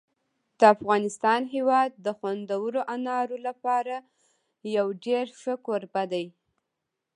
د افغانستان هېواد د خوندورو انارو لپاره یو ډېر ښه کوربه دی.